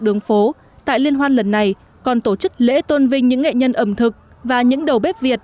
đường phố tại liên hoan lần này còn tổ chức lễ tôn vinh những nghệ nhân ẩm thực và những đầu bếp việt